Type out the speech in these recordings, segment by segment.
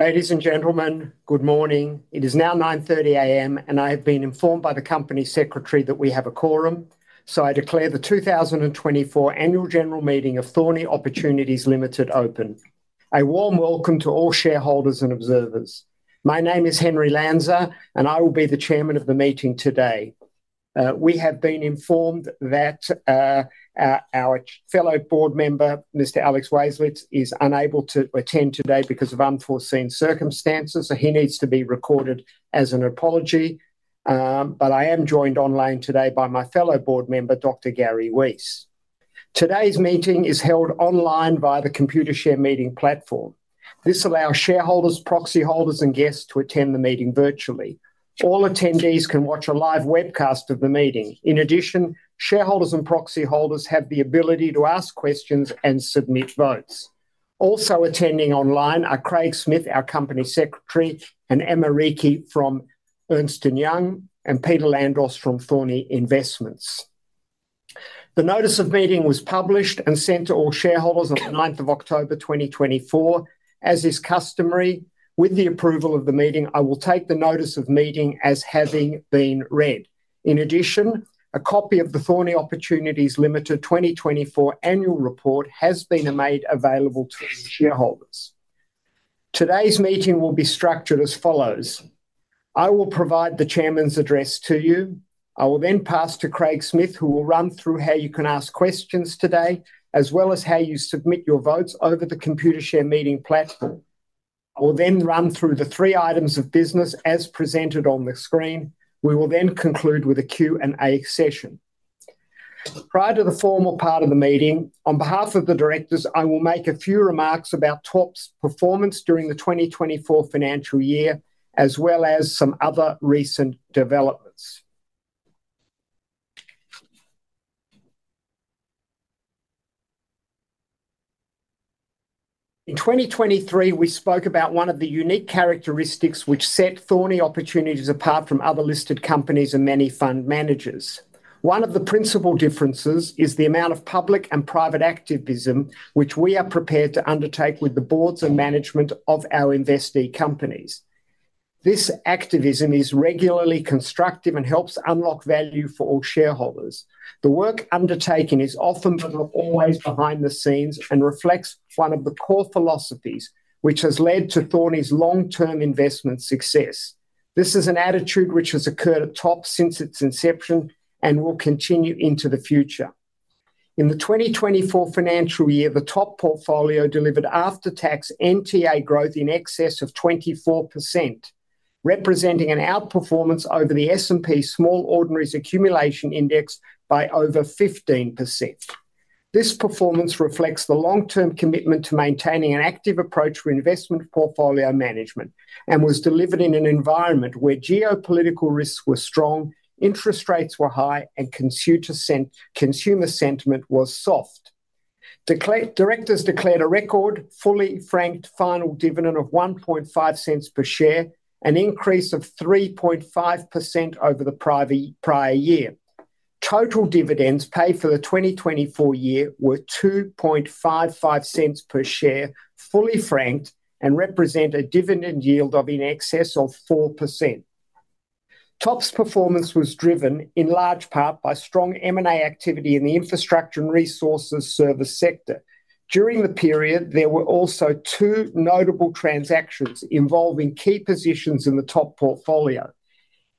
Ladies and Gentlemen, good morning. It is now 9:30 a.m. and I have been informed by the company secretary that we have a quorum. So I declare the 2024 Annual General Meeting of Thorney Opportunities Limited open. A warm welcome to all shareholders and observers. My name is Henry Lanzer and I will be the Chairman of the meeting today. We have been informed that our fellow board member Mr. Alex Waislitz is unable to attend today because of unforeseen circumstances. So he needs to be recorded as an apology, but I am joined online today by my fellow board member, Dr. Gary Weiss. Today's meeting is held online via the Computershare Meeting Platform. This allows shareholders, proxy holders and guests to attend the meeting. Virtually all attendees can watch a live webcast of the meeting. In addition, shareholders and proxy holders have the ability to ask questions and submit votes. Also attending online are Craig Smith, our Company Secretary, and Emma Reicke from Ernst & Young and Peter Landos from Thorney Investments. The Notice of Meeting was published and sent to all shareholders on 9th October 2024. As is customary with the approval of the meeting, I will take the Notice of Meeting as having been read. In addition, a copy of the Thorney Opportunities Limited 2024 Annual Report has been made available to shareholders. Today's meeting will be structured as follows. I will provide the Chairman's address to you. I will then pass to Craig Smith who will run through how you can ask questions today as well as how you submit your votes over the Computershare Meeting Platform. I will then run through the three items of business as presented on the screen. We will then conclude with a Q&A session prior to the formal part of the meeting. On behalf of the Directors, I will make a few remarks about TOP's performance during the 2024 financial year as well as some other recent developments. In 2023, we spoke about one of the unique characteristics which set Thorney Opportunities apart from other listed companies and many fund managers. One of the principal differences is the amount of public and private activism which we are prepared to undertake with the boards and management of our investee companies. This activism is regularly constructive and helps unlock value for all shareholders. The work undertaken is often but not always behind the scenes and reflects one of the core philosophies which has led to Thorney's long-term investment success. This is an attribute which has occurred at TOP since its inception and will continue into the future. In the 2024 financial year, the TOP portfolio delivered after-tax NTA growth in excess of 24%, representing an outperformance over the S&P/ASX Small Ordinaries Accumulation Index by over 15%. This performance reflects the long-term commitment to maintaining an active approach for investment portfolio management and was delivered in an environment where geopolitical risks were strong, interest rates were high, and consumer sentiment was soft. Directors declared a record fully franked final dividend of 0.015 per share, an increase of 3.5% over the prior year. Total dividends paid for the 2024 year were 0.0255 per share, fully franked and represent a dividend yield of in excess of 4%. TOP's performance was driven in large part by strong M&A activity in the infrastructure and resources service sector. During the period there were also two notable transactions involving key positions in the TOP portfolio,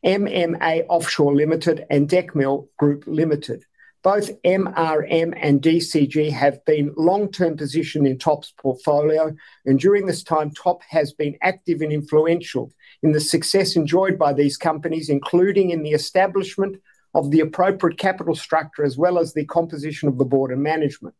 MMA Offshore Limited and Decmil Group Limited. Both MRM and DCG have been long-term position in TOP's portfolio and during this time TOP has been active and influential in the success enjoyed by these companies including in the establishment of the appropriate capital structure as well as the composition of the board and management.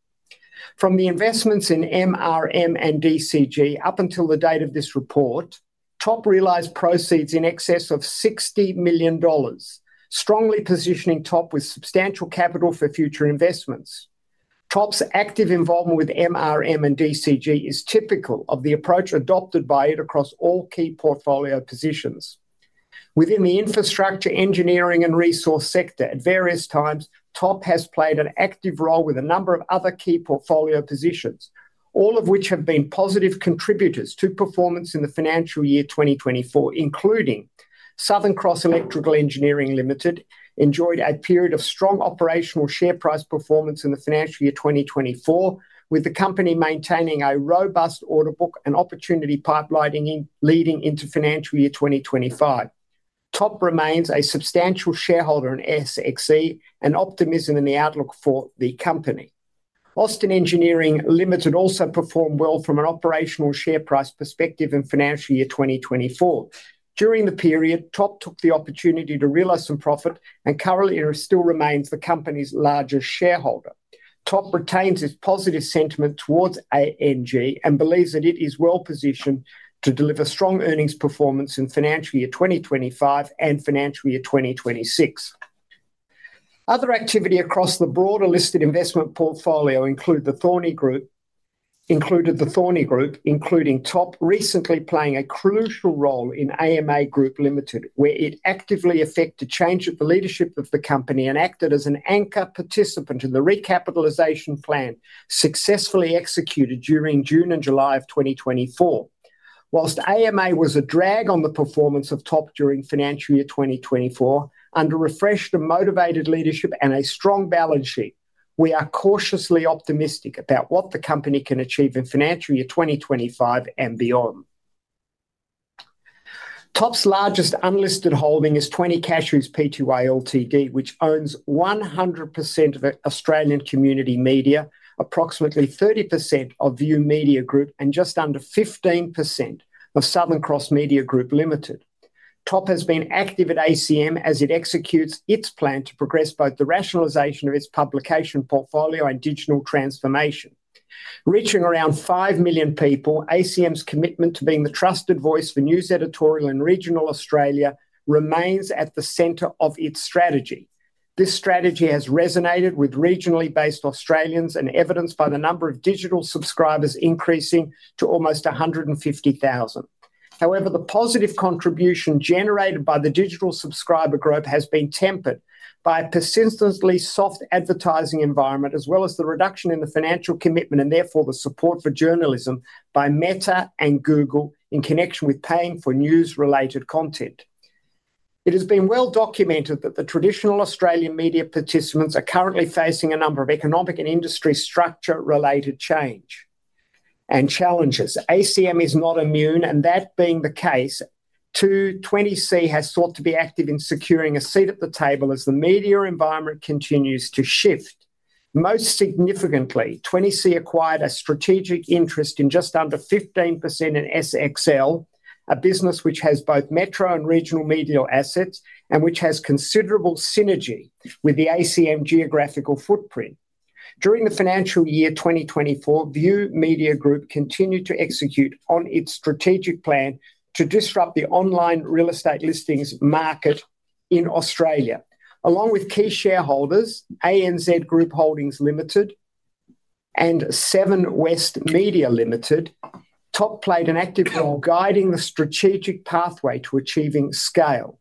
From the investments in MRM and DCG up until the date of this report, TOP realized proceeds in excess of 60 million dollars, strongly positioning TOP with substantial capital for future investments. TOP's active involvement with MRM and DCG is typical of the approach adopted by Thorney Investments across all key portfolio positions within the infrastructure, engineering and resource sector. At various times TOP has played an active role with a number of other key portfolio positions, all of which have been positive contributors to performance in the financial year 2024, including Southern Cross Electrical Engineering Limited, which enjoyed a period of strong operational share price performance in the financial year 2024 with the company maintaining a robust order book and opportunity pipeline leading into financial year 2025. TOP remains a substantial shareholder in SXE and optimism in the outlook for the company. Austin Engineering Ltd also performed well from an operational share price perspective in financial year 2024. During the period TOP took the opportunity to realize some profit and currently still remains the company's largest shareholder. TOP retains its positive sentiment towards ANG and believes that it is well positioned to deliver strong earnings performance in financial year 2025 and financial year 2026. Other activity across the broader listed investment portfolio included the Thorney Group including TOP recently playing a crucial role in AMA Group Limited where it actively effected change of the leadership of the company and acted as an anchor participant in the recapitalization plan successfully executed during June and July of 2024. While AMA was a drag on the performance of TOP during financial year 2024. Under refreshed and motivated leadership and a strong balance sheet, we are cautiously optimistic about what the company can achieve in financial year 2025 and beyond. TOP's largest unlisted holding is 20 Cashews Pty Ltd, which owns 100% of Australian Community Media, approximately 30% of View Media Group and just under 15% of Southern Cross Media Group Ltd. TOP has been active at ACM as it executes its plan to progress both the rationalization of its publication portfolio and digital transformation. Reaching around 5 million people, ACM's commitment to being the trusted voice for news editorial in regional Australia remains at the center of its strategy. This strategy has resonated with regionally based Australians and evidenced by the number of digital subscribers increasing to almost 150,000. However, the positive contribution generated by the digital subscriber growth has been tempered by a persistently soft advertising environment as well as the reduction in the financial commitment and therefore the support for journalism by Meta and Google in connection with paying for news-related content. It has been well documented that the traditional Australian media participants are currently facing a number of economic and industry structure-related change and challenges. ACM is not immune and that being the case, 20 Cashews has sought to be active in securing a seat at the table as the media environment continues to shift. Most significantly, 20C acquired a strategic interest in just under 15% in SXL, a business which has both metro and regional media assets and which has considerable synergy with the ACM geographical footprint. During the financial year 2024, View Media Group continued to execute on its strategic plan to disrupt the online real estate listings market in Australia along with key shareholders ANZ Group Holdings Limited and Seven West Media Limited. TOP played an active role guiding the strategic pathway to achieving scale.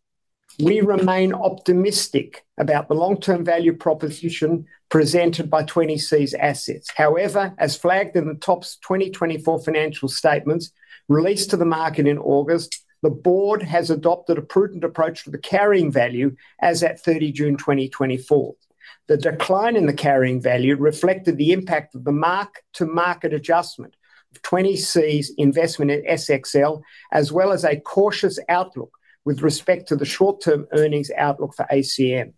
We remain optimistic about the long-term value proposition presented by 20C's assets. However, as flagged in the TOP's 2024 financial statements released to the market in August, the Board has adopted a prudent approach to the carrying value. As at 30 June 2024, the decline in the carrying value reflected the impact of the mark to market adjustment of 20c's investment in SXL as well as a cautious outlook with respect to the short-term earnings outlook for ACM.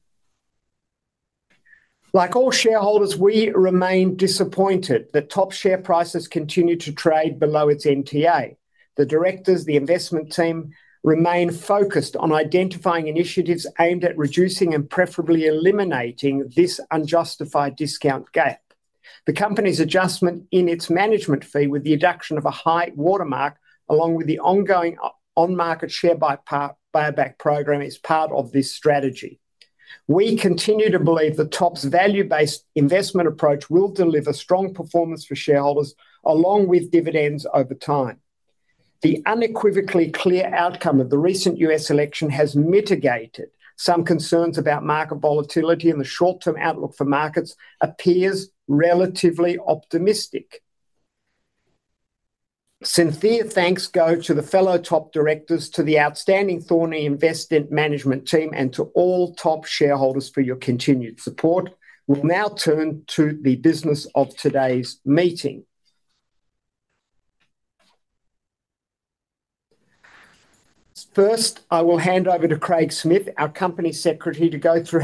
Like all shareholders, we remain disappointed that TOP share prices continue to trade below its NTA. The directors, the investment team remain focused on identifying initiatives aimed at reducing and preferably eliminating this unjustified discount gap. The company's adjustment in its management fee with the induction of a high-watermark along with the ongoing on-market share buyback program is part of this strategy. We continue to believe the TOP's value-based investment approach will deliver strong performance for shareholders along with dividends over time. The unequivocally clear outcome of the recent U.S. election has mitigated some concerns about market volatility and the short-term outlook for markets appears relatively optimistic. Sincere thanks go to the fellow TOP Directors, to the outstanding Thorney Investments team and to all TOP shareholders for your continued support. We'll now turn to the business of today's meeting. First, I will hand over to Craig Smith, our Company Secretary to go through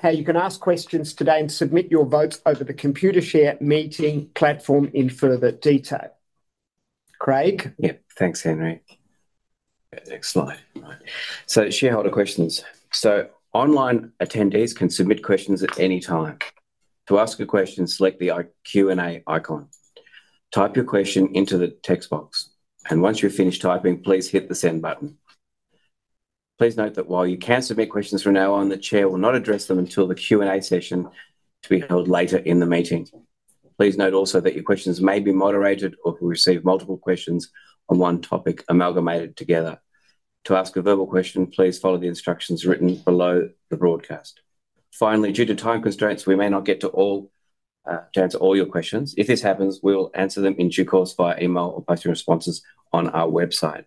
how you can ask questions today and submit your votes over the Computershare Meeting Platform in further detail. Yeah, thanks, Henry. Next slide, so Shareholder Questions, so online attendees can submit questions at any time. To ask a question, select the Q&A icon, type your question into the text box, and once you're finished typing, please hit the Send button. Please note that while you can submit questions from now on, the Chair will not address them until the Q&A session to be held later in the meeting. Please note also that your questions may be moderated or receive multiple questions on one topic amalgamated together. To ask a verbal question, please follow the instructions written below the broadcast. Finally, due to time constraints, we may not get to all to answer all your questions. If this happens, we will answer them in due course via email or posting responses on our website.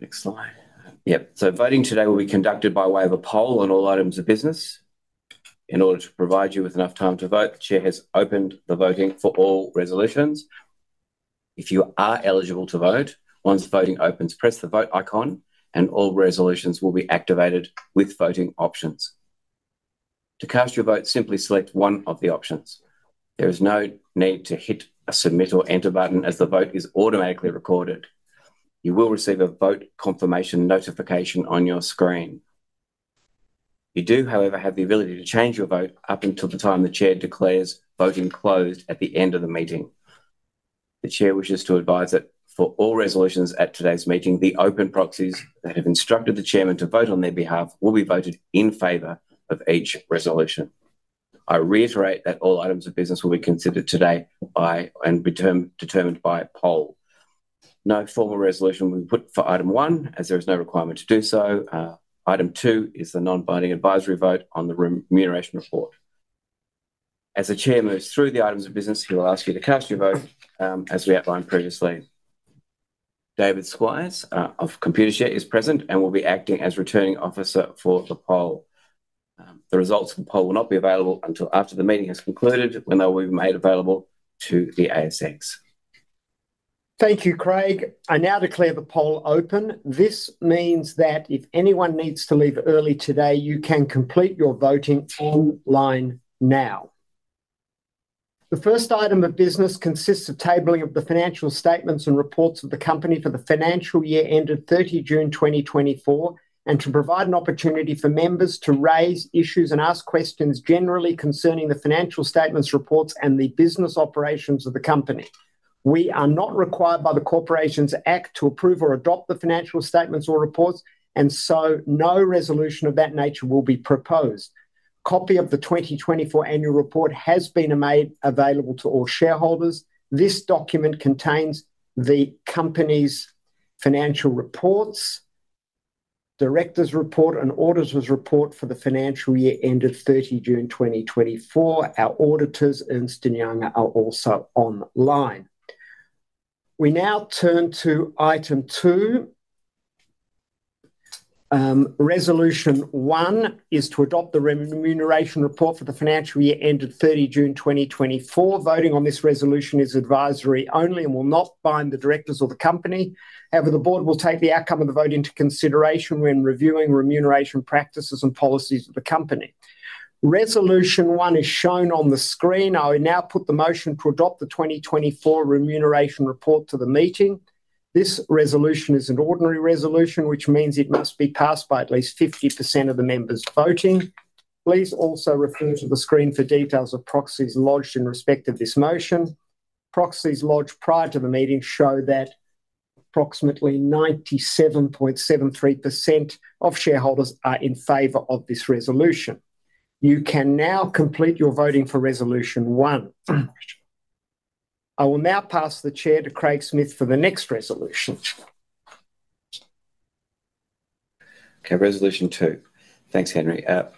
Next slide. Yep, so voting today will be conducted by way of a poll on all items of business. In order to provide you with enough time to vote, the Chair has opened the voting for all resolutions. If you are eligible to vote, once voting opens, press the vote icon and all resolutions will be activated with voting options. To cast your vote, simply select one of the options. There is no need to hit a submit or Enter button as the vote is automatically recorded. You will receive a vote confirmation notification on your screen. You do however have the ability to change your vote up until the time the Chair declares voting closed at the end of the meeting. The Chair wishes to advise that for all resolutions at today's meeting, the open proxies that have instructed the Chairman to vote on their behalf will be voted in favor of each resolution. I reiterate that all items of business will be considered today by and determined by poll. No formal resolution will be put for item 1 as there is no requirement to do so. Item 2 is the non-binding advisory vote on the Remuneration Report. As the Chair moves through the items of business, he will ask you to cast your vote. As we outlined previously, David Squires of Computershare is present and will be acting as Returning Officer for the poll. The results of the poll will not be available until after the meeting has concluded when they will be made available to the ASX. Thank you, Craig. I now declare the poll open. This means that if anyone needs to leave early today, you can complete your voting online now. The first item of business consists of tabling of the financial statements and reports of the company for the financial year ended 30 June 2024 and to provide an opportunity for members to raise issues and ask questions generally concerning the financial statements, reports and the business operations of the Company. We are not required by the Corporations Act to approve or adopt the financial statements or reports and so no resolution of that nature will be proposed. Copy of the 2024 Annual Report has been made available to all shareholders. This document contains the Company's financial reports, Director's Report and Auditor's Report for the financial year ended 30 June 2024. Our auditors, Ernst & Young, are also online. We now turn to item two. Resolution one is to adopt the Remuneration Report for the financial year ended 30 June 2024. Voting on this resolution is advisory only and will not bind the directors or the company. However, the Board will take the outcome of the vote into consideration when reviewing remuneration practices and policies of the company. Resolution 1 is shown on the screen. I will now put the motion to adopt the 2024 Remuneration Report to the meeting. This resolution is an ordinary resolution which means it must be passed by at least 50% of the members voting. Please also refer to the screen for details of proxies lodged in respect of this motion. Proxies lodged prior to the meeting show that approximately 97.73% of shareholders are in favor of this resolution. You can now complete your voting for Resolution 1. I will now pass the Chair to Craig Smith for the next resolution. Okay, resolution two. Thanks, Henry. The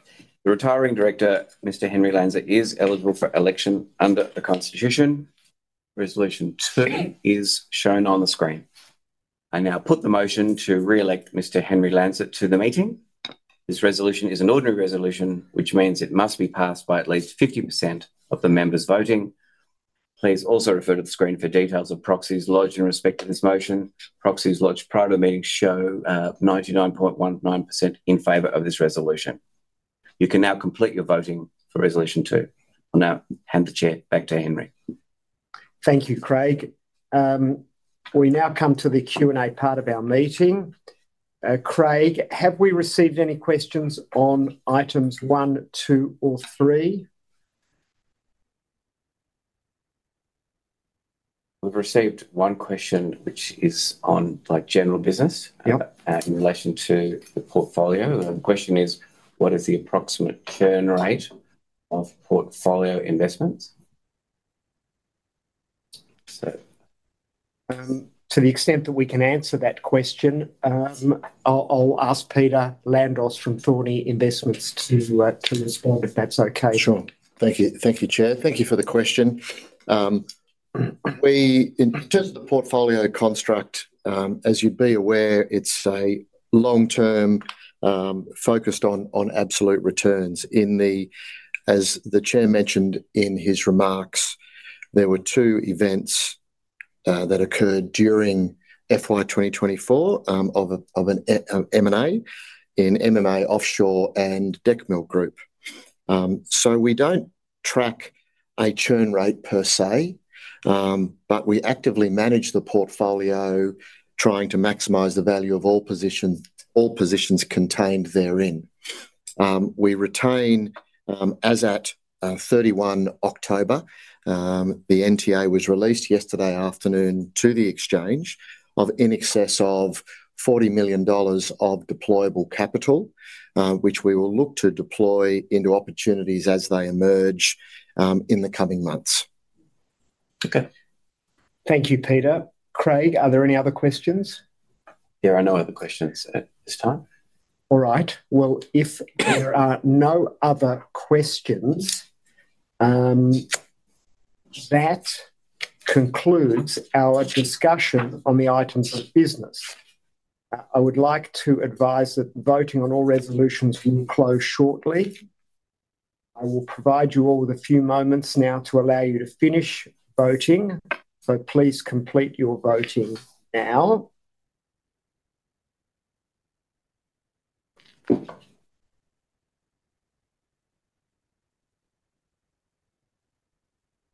retiring director, Mr. Henry Lanzer, is eligible for election under the Constitution. Resolution 2 is shown on the screen. I now put the motion to re-elect Mr. Henry Lanzer to the meeting. This resolution is an ordinary resolution, which means it must be passed by at least 50% of the members voting. Please also refer to the screen for details of proxies lodged in respect to this motion. Proxies lodged prior to the meeting show 99.19% in favor of this resolution. You can now complete your voting for Resolution 2. I'll now hand the Chair back to Henry. Thank you, Craig. We now come to the Q&A part of our meeting. Craig, have we received any questions on items one, two or three? We've received one question which is on like General Business in relation to the portfolio. The question is what is the approximate churn rate of portfolio investments? To the extent that we can answer that question, I'll ask Peter Landos from Thorney Investments to respond if that's okay. Sure. Thank you. Thank you, Chair. Thank you for the question. In terms of the portfolio construct, as you'd be aware, it's a long-term focused on absolute returns. As the Chair mentioned in his remarks, there were two events that occurred during FY 2024 of an M&A in MMA Offshore and Decmil Group. So we don't track a churn rate per se, but we actively manage the portfolio trying to maximize the value of all positions contained therein. We retain, as at 31st October, the NTA was released yesterday afternoon to the exchange of in excess of 40 million dollars of deployable capital which we will look to deploy into opportunities as they emerge in the coming months. Okay, thank you, Peter. Craig, are there any other questions? There are no other questions at this time. All right, well, if there are no other questions, that concludes our discussion on the items of business. I would like to advise that voting on all resolutions will close shortly. I will provide you all with a few moments now to allow you to finish voting. So please complete your voting now.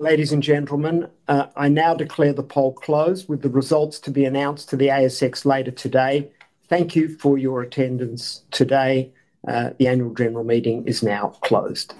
Ladies and gentlemen, I now declare the poll closed with the results to be announced to the ASX later today. Thank you for your attendance today. The Annual General Meeting is now closed.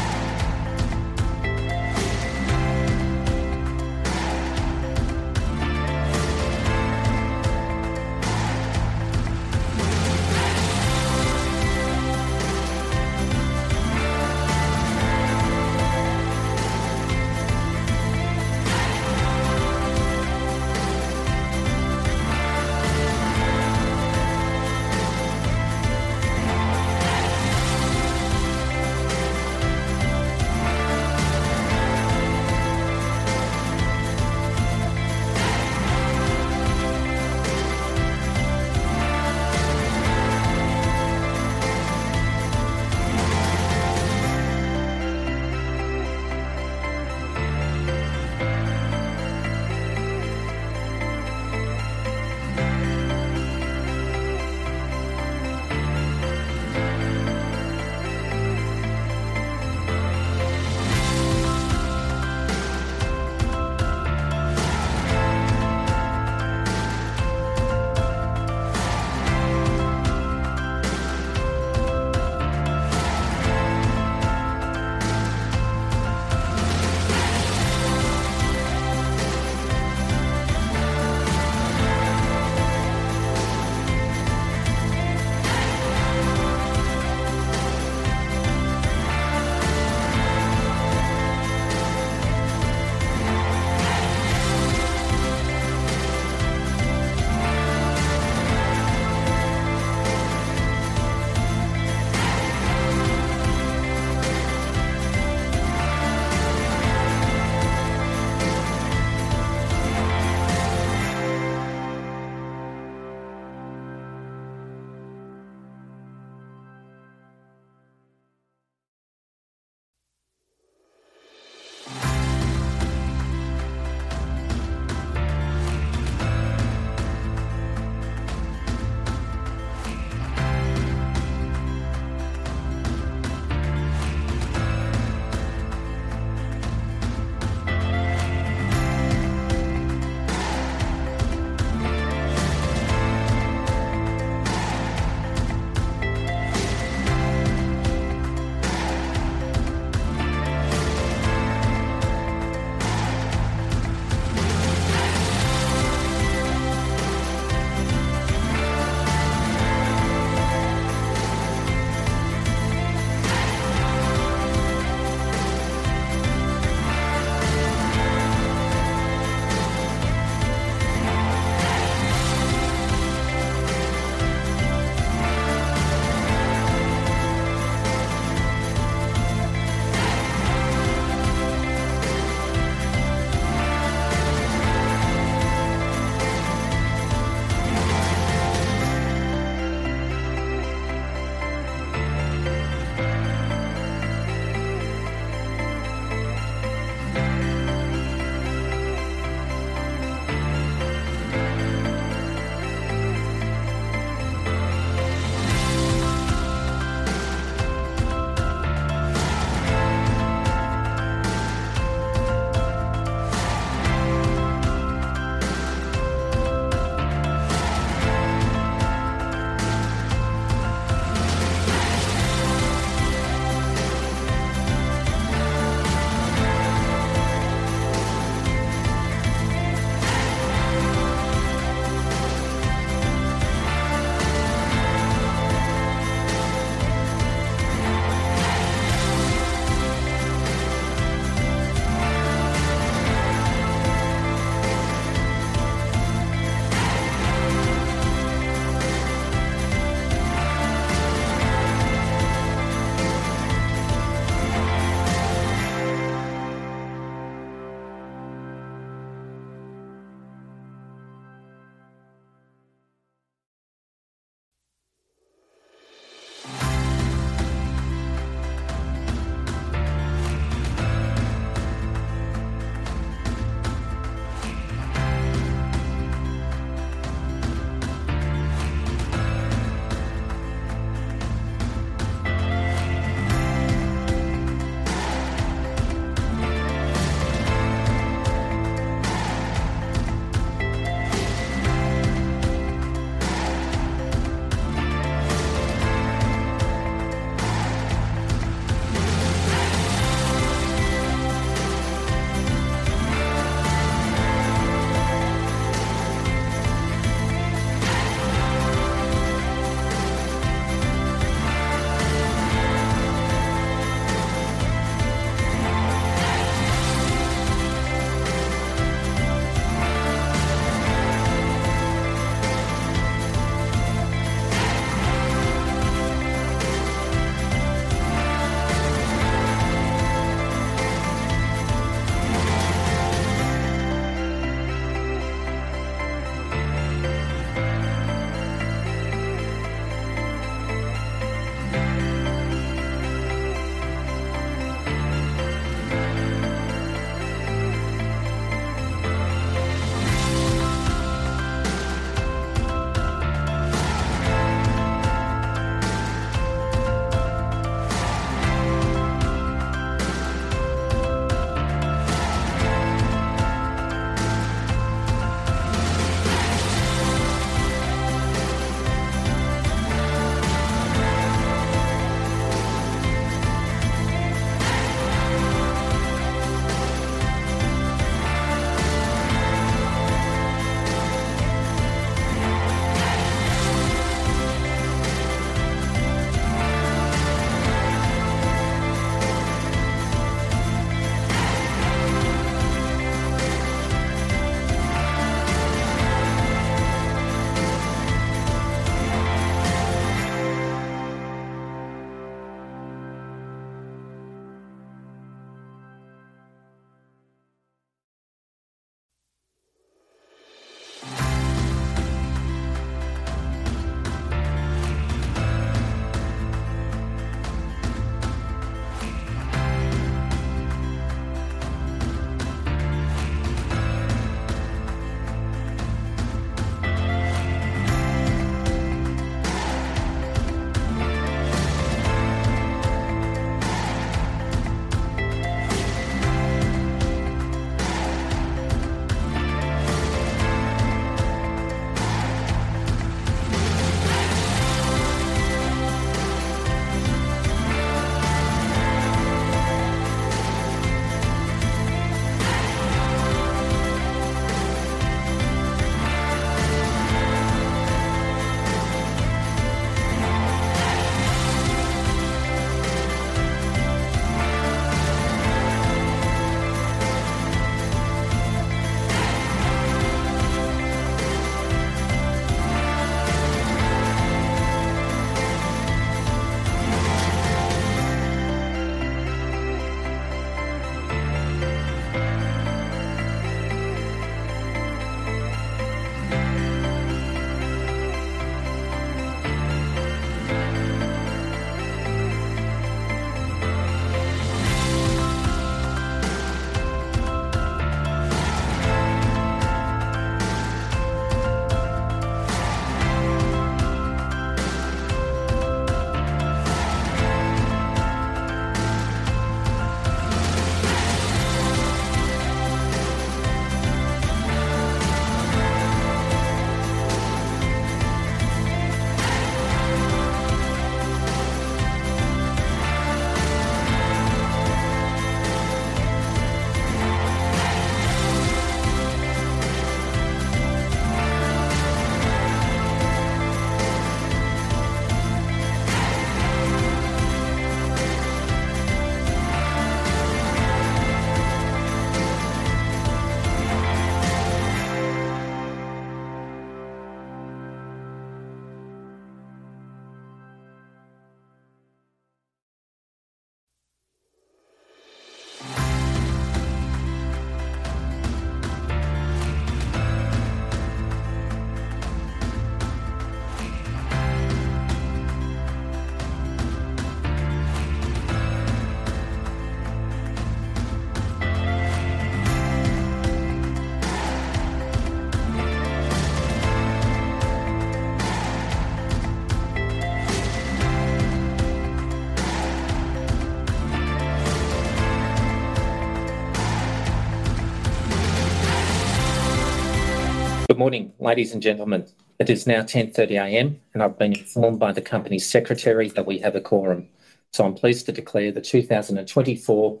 Good morning, ladies and gentlemen. It is now 10:30 A.M. and I've been informed by the company secretary that we have a quorum, so I'm pleased to declare the 2024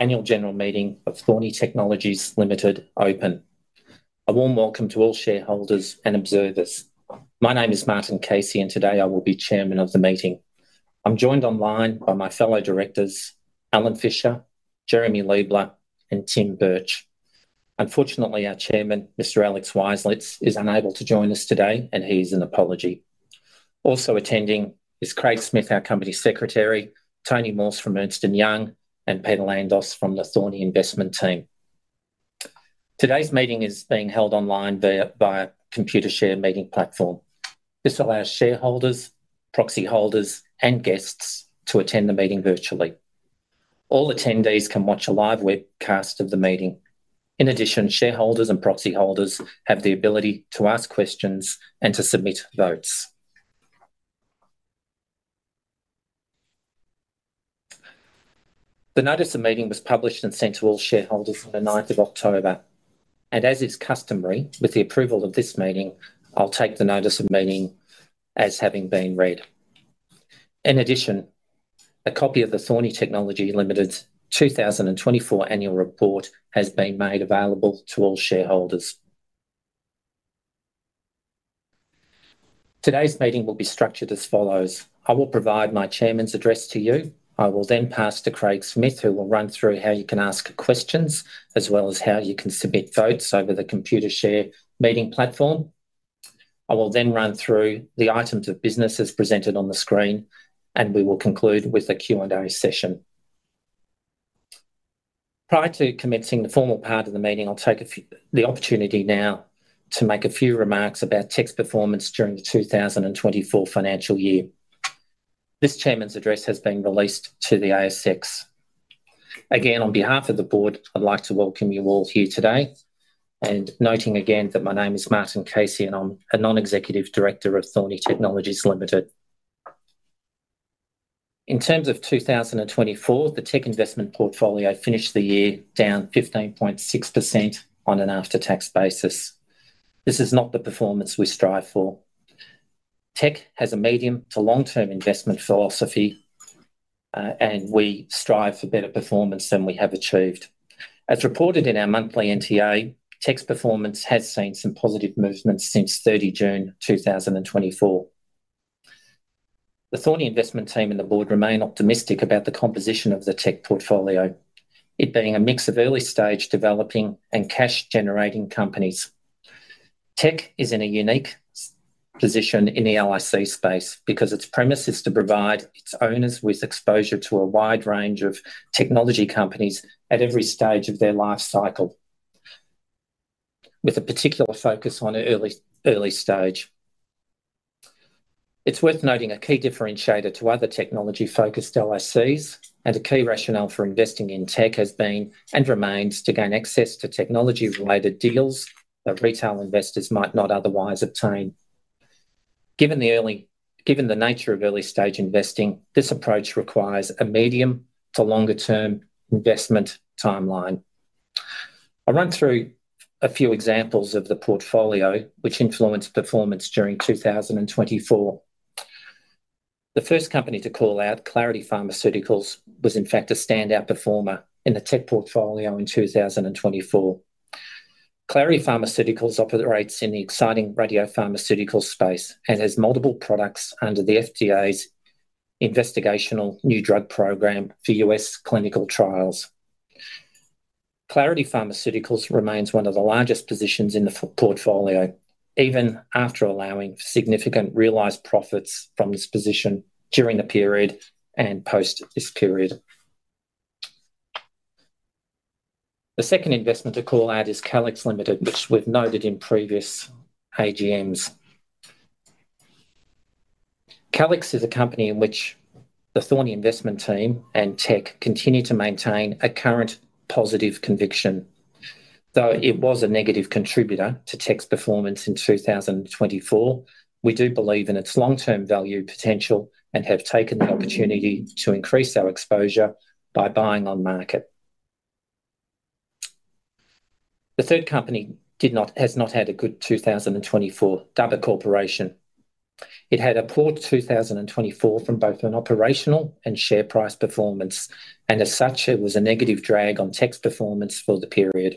Annual General Meeting of Thorney Technologies Limited open. A warm welcome to all shareholders and observers. My name is Martin Casey and today I will be chairman of the meeting. I'm joined online by my fellow directors, Alan Fisher, Jeremy Leibler and Tim Burch. Unfortunately, our chairman, Mr. Alex Waislitz is unable to join us today and apologies. Also attending is Craig Smith, our company secretary, Tony Morse from Ernst & Young and Peter Landos from the Thorney investment team. Today's meeting is being held online by a Computershare meeting platform. This allows shareholders, proxy holders and guests to attend the meeting. Virtually all attendees can watch a live webcast of the meeting. In addition, shareholders and proxy holders have the ability to ask questions and to submit votes. The Notice of Meeting was published and sent to all shareholders on the 9th of October and as is customary with the approval of this meeting, I'll take the Notice of Meeting as having been read. In addition, a copy of the Thorney Technologies Limited 2024 Annual Report has been made available to all shareholders. Today's meeting will be structured as follows. I will provide my Chairman's address to you. I will then pass to Craig Smith who will run through how you can ask questions as well as how you can submit votes over the Computershare Meeting Platform. I will then run through the items of business as presented on the screen and we will conclude with the Q&A session prior to commencing the formal part of the meeting. I'll take the opportunity now to make a few remarks about TEK's performance during the 2024 financial year. This Chairman's address has been released to the ASX. Again, on behalf of the Board, I'd like to welcome you all here today and noting again that my name is Martin Casey and I'm a non-Executive Director of Thorney Technologies Ltd. In terms of 2024, the TEK investment portfolio finished the year down 15.6% on an after tax basis. This is not the performance we strive for. TEK has a medium- to long-term investment philosophy and we strive for better performance than we have achieved. As reported in our monthly NTA, Tech's performance has seen some positive movements since 30 June 2024. The Thorney investment team and the Board remain optimistic about the composition of the Tech portfolio, it being a mix of early stage developing and cash generating companies. Tech is in a unique position in the LIC space because its premise is to provide its owners with exposure to a wide range of technology companies at every stage of their life cycle with a particular focus on early stage. It's worth noting a key differentiator to other technology focused LICs and a key rationale for investing in tech has been and remains to gain access to technology related deals that retail investors might not otherwise obtain. Given the nature of early stage investing, this approach requires a medium to longer term investment timeline. I'll run through a few examples of the portfolio which influenced performance during 2024. The first company to call out Clarity Pharmaceuticals was in fact a standout performer in the tech portfolio in 2024. Clarity Pharmaceuticals operates in the exciting radiopharmaceutical space and has multiple products under the FDA's Investigational New Drug Program for US clinical trials. Clarity Pharmaceuticals remains one of the largest positions in the portfolio even after allowing significant realized profits from this position during the period and post this period. The second investment to call out is Calix Ltd, which we've noted in previous AGMs. Calix is a company in which the Thorney investment team and TEK continue to maintain a current positive conviction. Though it was a negative contributor to TEK's performance in 2024, we do believe in its long-term value potential and have taken the opportunity to increase our exposure by buying on market. The third company has not had a good 2024, Dubber Corporation. It had a poor 2024 from both an operational and share price performance and as such it was a negative drag on TEK's performance for the period.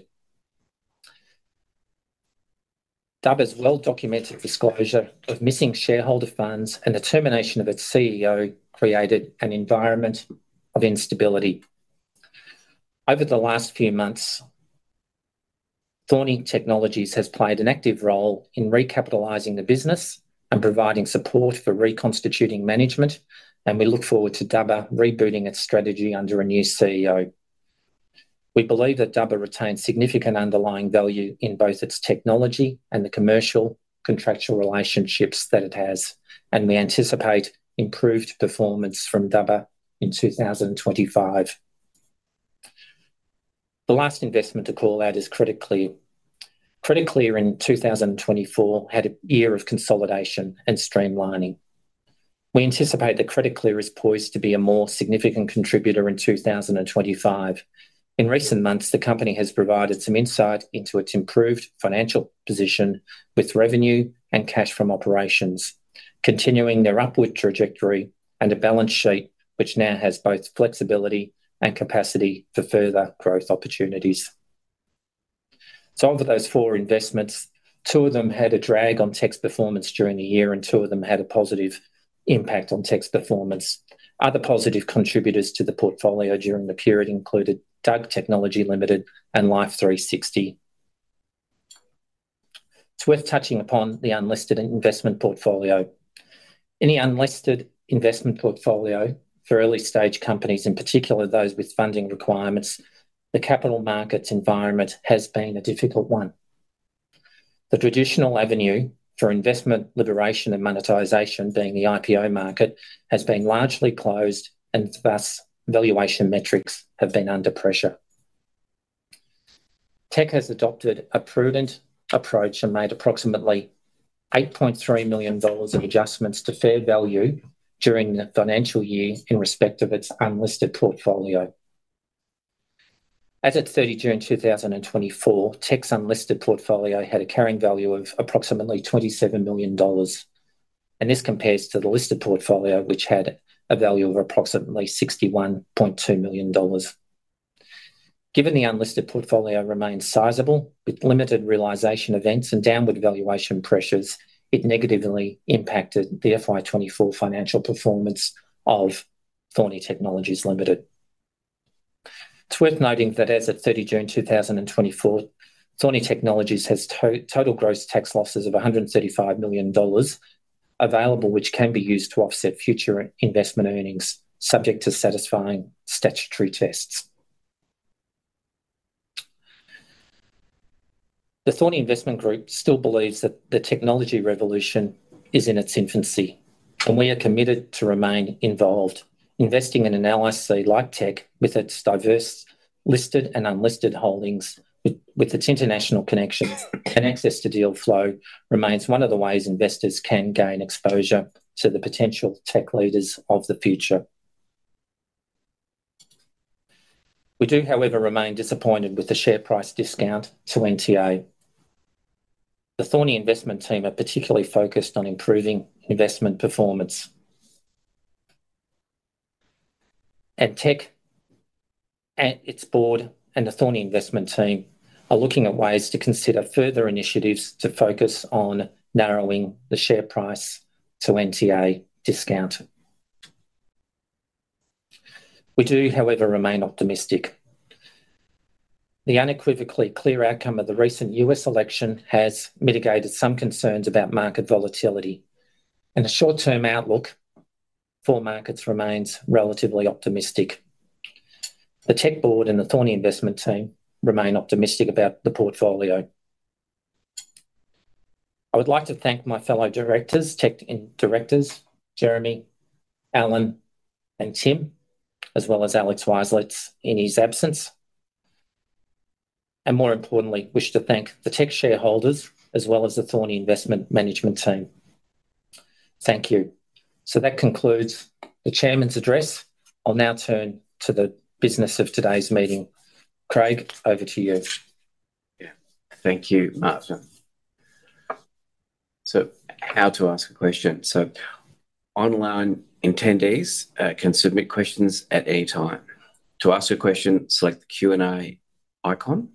Dubber's well-documented disclosure of missing shareholder funds and the termination of its CEO created an environment of instability over the last few months. Thorney Technologies has played an active role in recapitalizing the business and providing support for reconstituting management and we look forward to Dubber rebooting its strategy under a new CEO. We believe that Dubber retains significant underlying value in both its technology and the commercial contractual relationships that it has and we anticipate improved performance from Dubber in 2025. The last investment to call out is Credit Clear. Credit Clear in 2024 had a year of consolidation and streamlining. We anticipate that Credit Clear is poised to be a more significant contributor in 2025. In recent months the company has provided some insight into its improved financial position with revenue and cash from operations continuing their upward trajectory and a balance sheet which now has both flexibility and capacity for further growth opportunities. Over those four investments, two of them had a drag on TOP's performance during the year and two of them had a positive impact on TOP's performance. Other positive contributors to the portfolio during the period included DUG Technology Limited and Life360. It's worth touching upon the unlisted investment portfolio. In the unlisted investment portfolio for early stage companies, in particular those with funding requirements, the capital markets environment has been a difficult one. The traditional avenue for investment liberation and monetization being the IPO market has been largely closed and thus valuation metrics have been under pressure. Tek has adopted a prudent approach and made approximately 8.3 million dollars of adjustments to fair value during the financial year in respect of its unlisted portfolio as at 30 June 2024. TEK's unlisted portfolio had a carrying value of approximately 27 million dollars and this compares to the listed portfolio which had a value of approximately 61.2 million dollars. Given the unlisted portfolio remains sizable with limited realization events and downward valuation pressures, it negatively impacted the FY24 financial performance of Thorney Technologies Ltd. It's worth noting that as at 30 June 2024, Thorney Technologies has total gross tax losses of 135 million dollars available, which can be used to offset future investment earnings subject to satisfying statutory tests. The Thorney Investment Group still believes that the technology revolution is in its infancy and we are committed to remain involved. Investing in an LIC like Tech, with its diverse listed and unlisted holdings, with its international connection and access to deal flow, remains one of the ways investors can gain exposure to the potential tech leaders of the future. We do, however, remain disappointed with the share price discount to NTA. The Thorney Investment team are particularly focused on improving investment performance and TEK, its board and the Thorney Investment team are looking at ways to consider further initiatives to focus on narrowing the share price to NTA discount. We do, however, remain optimistic. The unequivocally clear outcome of the recent U.S. election has mitigated some concerns about market volatility and the short-term outlook for markets remains relatively optimistic. The Tech Board and the Thorney Investment team remain optimistic about the portfolio. I would like to thank my fellow directors, Tech Directors Jeremy, Alan and Tim, as well as Alex Waislitz in his absence and more importantly wish to thank the Tech shareholders as well as the Thorney Investment Management team. Thank you. So that concludes the Chairman's address. I'll now turn to the business of today's meeting. Craig, over to you. Thank you, Martin. So, how to ask a question so online attendees can submit questions at any time. To ask a question, select the Q&A icon.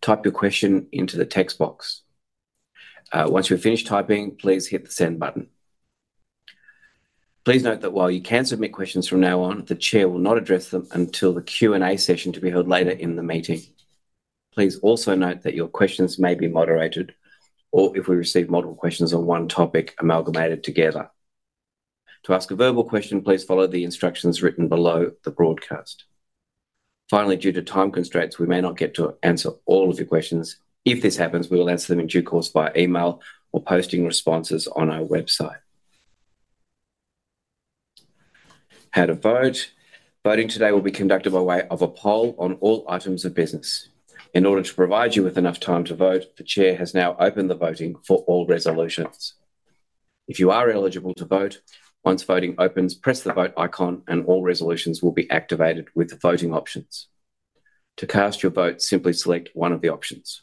Type your question into the text box. Once we've finished typing, please hit the send button. Please note that while you can submit questions from now on, the Chair will not address them until the Q&A session to be held later in the meeting. Please also note that your questions may be moderated or, if we receive multiple questions on one topic, amalgamated together. To ask a verbal question, please follow the instructions written below the broadcast. Finally, due to time constraints, we may not get to answer all of your questions. If this happens, we will answer them in due course by email or posting responses on our website. How to Vote. Voting today will be conducted by way of a poll on all items of business in order to provide you with enough time to vote. The Chair has now opened the voting for all resolutions. If you are eligible to vote, once voting opens, press the vote icon and all resolutions will be activated with voting options. To cast your vote, simply select one of the options.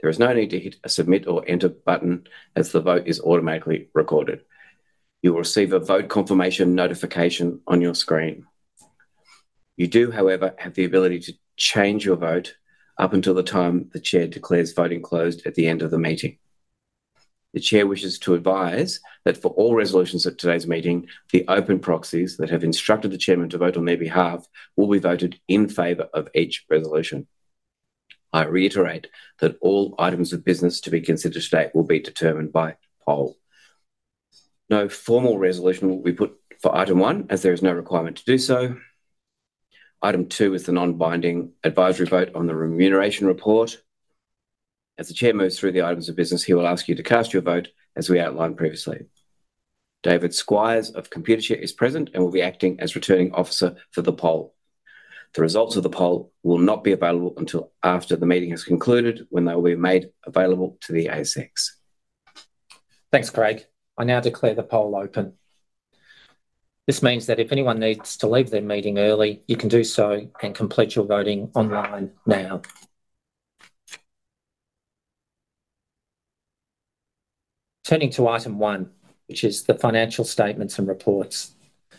There is no need to hit a Submit or Enter button as the vote is automatically recorded. You will receive a vote confirmation notification on your screen. You do, however, have the ability to change your vote up until the time the Chair declares voting closed at the end of the meeting. The Chair wishes to advise that for all resolutions at today's meeting, the open proxies that have instructed the Chairman to vote on their behalf will be voted in favor of each resolution. I reiterate that all items of business to be considered today will be determined by poll. No formal resolution will be put for item 1 as there is no requirement to do so. Item 2 is the non-binding advisory vote on the Remuneration Report. As the Chair moves through the items of business, he will ask you to cast your vote. As we outlined previously, David Squires of Computershare is present and will be acting as Returning Officer for the poll. The results of the poll will not be available until after the meeting has concluded when they will be made available to the ASX. Thanks Craig. I now declare the poll open. This means that if anyone needs to leave their meeting early, you can do so and complete your voting online. Now. Turning to Item one, which is the Financial Statements and Reports.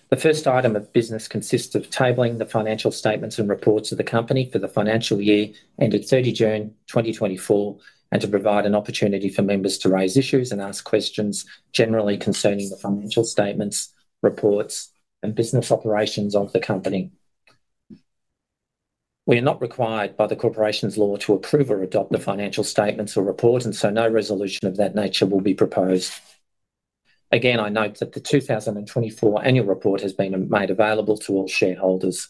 The first item of business consists of tabling the financial statements and reports of the Company for the financial year ended 30 June 2024 and to provide an opportunity for members to raise issues and ask questions generally concerning the financial statements, reports and business operations of the Company. We are not required by the Corporations Law to approve or adopt the financial statements or report and so no resolution of that nature will be proposed. Again, I note that the 2024 Annual Report has been made available to all shareholders.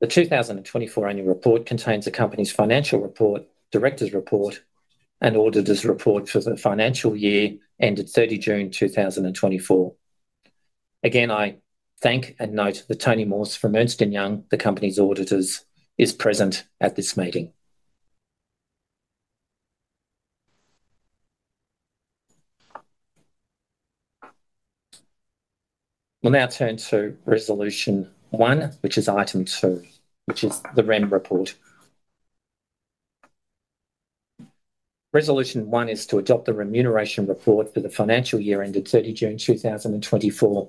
The 2024 Annual Report contains the Company's financial report, Director's Report and Auditor's Report for the financial year ended 30 June 2024. Again, I thank and note that Tony Morse from Ernst & Young, the Company's auditors, is present at this meeting. We'll now turn to Resolution one, which is Item two, which is the REM Report. Resolution one is to adopt the Remuneration Report for the financial year ended 30 June 2024.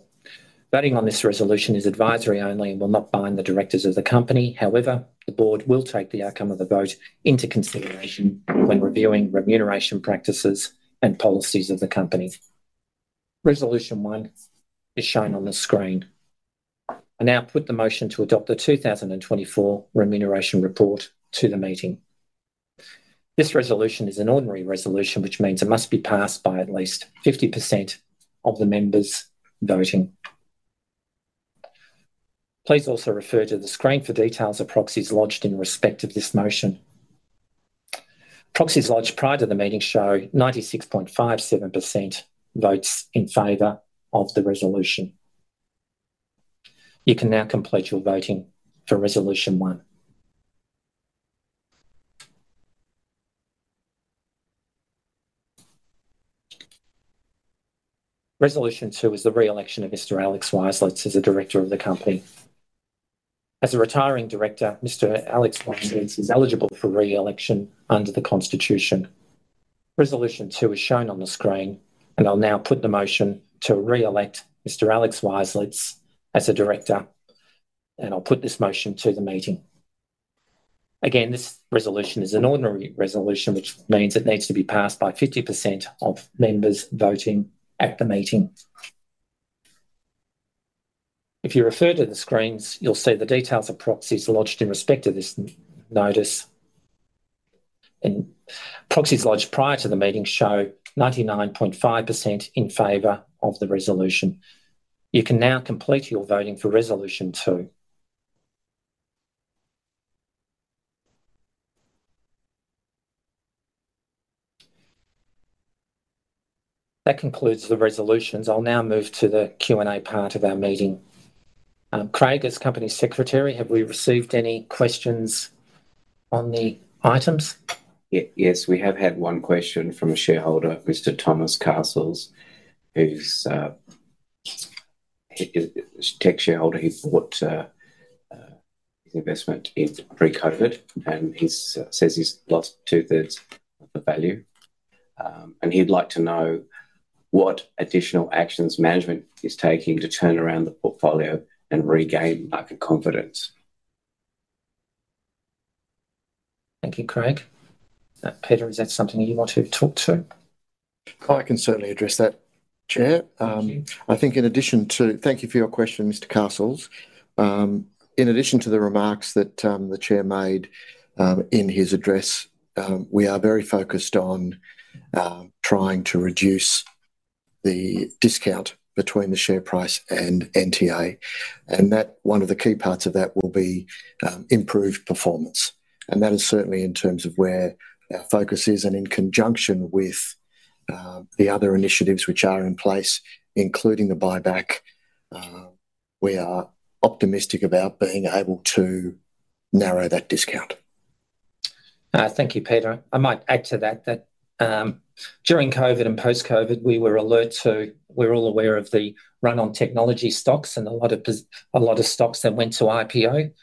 Voting on this resolution is advisory only and will not bind the directors of the company. However, the board will take the outcome of the vote into consideration when reviewing remuneration practices and policies of the company. Resolution one is shown on the screen. I now put the motion to adopt the 2024 Remuneration Report to the meeting. This resolution is an ordinary resolution which means it must be passed by at least 50% of the members voting. Please also refer to the screen for details of proxies lodged in respect of this motion. Proxies lodged prior to the meeting show 96.57% votes in favor of the resolution. You can now complete your voting for Resolution 1. Resolution 2 is the re-election of Mr. Alex Waislitz as the director of the company. As a retiring director, Mr. Alex Waislitz is eligible for re-election under the Constitution. Resolution 2 is shown on the screen and I'll now put the motion to re-elect Mr. Alex Waislitz as a director and I'll put this motion to the meeting. Again. This resolution is an ordinary resolution which means it needs to be passed by 50% of members voting at the meeting. If you refer to the screens, you'll see the details of proxies lodged in respect to this notice. Proxies lodged prior to the meeting show 99.5% in favor of the resolution. You can now complete your voting for Resolution 2. That concludes the resolutions. I'll now move to the Q&A part of our meeting. Craig, as Company Secretary, have we received any questions on the items? Yes, we have had one question from a shareholder, Mr. Thomas Castles, who's tech shareholder. He bought his investment in pre-COVID and he says he's lost 2/3 of the value and he'd like to know what additional actions management is taking to turn around the portfolio and regain market confidence. Thank you, Craig. Peter, is that something you want to talk to? I can certainly address that, Chair. Thank you for your question, Mr. Castles. In addition to the remarks that the Chair made in his address, we are very focused on trying to reduce the discount between the share price and NTA. And that one of the key parts of that will be improved performance. And that is certainly in terms of where our focus is. And in conjunction with the other initiatives which are in place, including the buyback, we are optimistic about being able to narrow that discount. Thank you, Peter. I might add to that that during COVID and post-COVID. We're all aware of the run on technology stocks and a lot of stocks that went to IPO.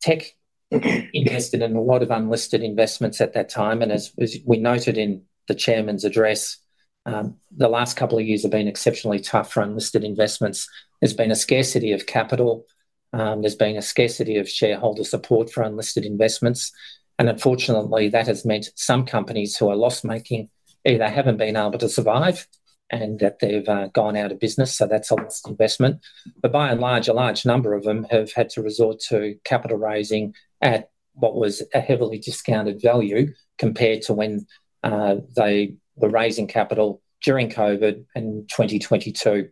Tech invested in a lot of unlisted investments at that time. And as we noted in the Chairman's address, the last couple of years have been exceptionally tough for unlisted investments. There's been a scarcity of capital, there's been a scarcity of shareholder support for unlisted investments. And unfortunately that has meant some companies who are loss making either haven't been able to survive and that they've gone out of business. So that's a lost investment. But by and large a large number of them have had to resort to capital raising at what was a heavily discounted value compared to when they were raising capital during COVID and 2022.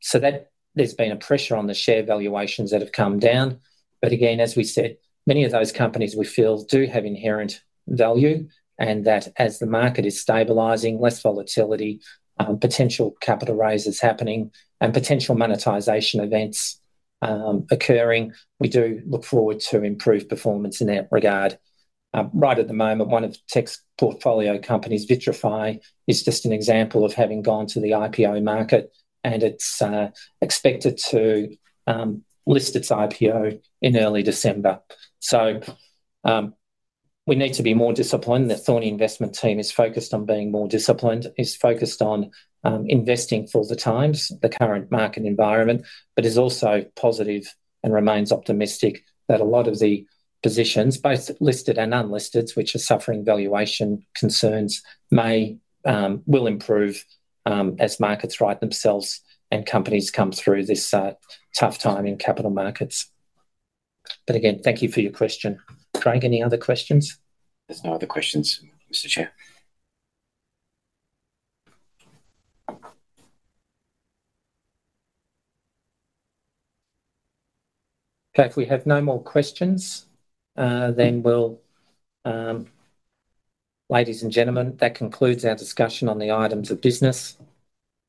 So that there's been a pressure on the share valuations that have come down. But again, as we said, many of those companies we feel do have inherent value and that as the market is stabilizing, less volatility, potential capital raises happening and potential monetization events occurring. We do look forward to improved performance in that regard. Right at the moment, one of Tech's portfolio companies, Vitrifi, is just an example of having gone to the IPO market and it's expected to list its IPO in early December. So we need to be more disciplined. The Thorney investment team is focused on being more disciplined, is focused on investing fully in these times, the current market environment, but is also positive and remains optimistic that a lot of the positions both listed and unlisted which are suffering valuation concerns may improve as markets right themselves and companies come through this tough time in capital markets, but again, thank you for your question, Craig. Any other questions? There's no other questions, Mr. Okay, if we have no more questions, then we'll. Ladies and gentlemen, that concludes our discussion on the items of business.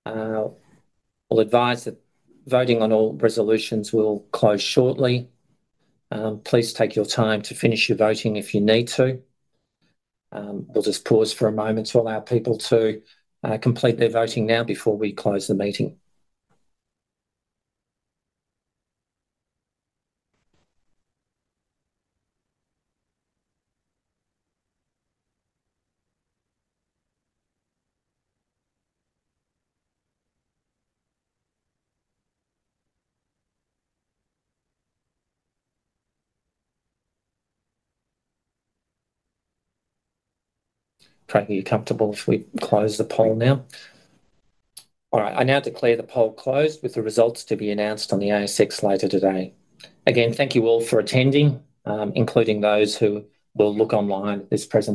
We'll advise that voting on all resolutions will close shortly. Please take your time to finish your voting if you need to. We'll just pause for a moment to allow people to complete their voting now before we close the meeting. Craig, are you comfortable if we close the poll now? All right. I now declare the poll closed with the results to be announced on the ASX later today. Again, thank you all for attending, including those who will look online. This presentation.